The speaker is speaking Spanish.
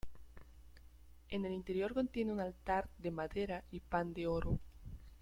En el interior contiene un altar de madera y pan de oro.